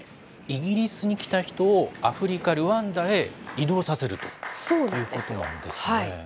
イギリスに来た人をアフリカ・ルワンダへ移動させるということなんですね。